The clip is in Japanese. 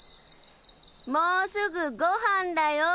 もうすぐごはんだよ！